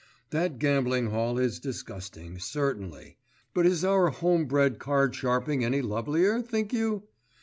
That gambling hall is disgusting, certainly; but is our home bred card sharping any lovelier, think you?